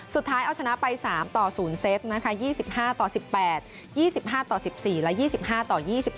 สุดท้ายเอาชนะไป๓ต่อ๐เซตนะคะ๒๕ต่อ๑๘๒๕ต่อ๑๔และ๒๕ต่อ๒๒